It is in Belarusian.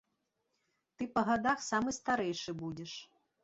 Ты па гадах самы старэйшы будзеш.